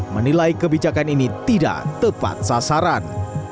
menilai kebijakan ini tidak tepat sasaran